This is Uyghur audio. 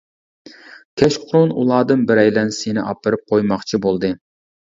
كەچقۇرۇن ئۇلاردىن بىرەيلەن سېنى ئاپىرىپ قويماقچى بولدى.